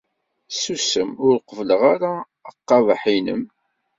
Susem! Ur qebbleɣ ara aqabeḥ-nnem!